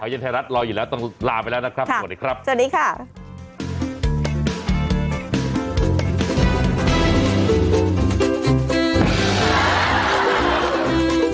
จริงเหรอมีทริคเหรออาบยังไงคะเนี่ย